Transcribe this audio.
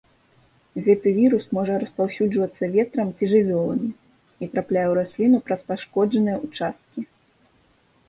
Гэты вірус можа распаўсюджвацца ветрам ці жывёламі і трапляе ў расліну праз пашкоджаныя ўчасткі.